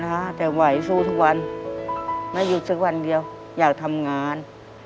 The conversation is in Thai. นะแต่ไหวสู้ทุกวันไม่หยุดสักวันเดียวอยากทำงาน